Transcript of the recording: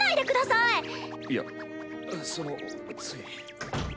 いやそのつい。